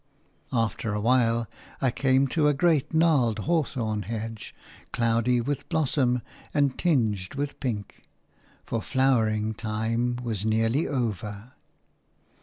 After a while I came to a great gnarled hawthorn hedge, cloudy with blossom and tinged with pink – for flowering time was nearly over.